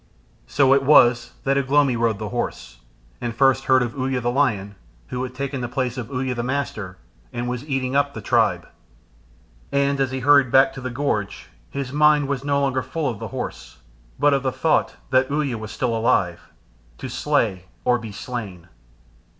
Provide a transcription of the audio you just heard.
So it was that Ugh lomi rode the horse, and heard first of Uya the lion, who had taken the place of Uya the Master, and was eating up the tribe. And as he hurried back to the gorge his mind was no longer full of the horse, but of the thought that Uya was still alive, to slay or be slain.